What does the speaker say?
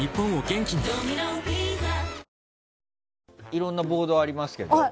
いろんなボードありますけど。